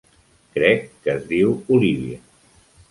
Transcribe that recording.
Crec que es diu Olivia.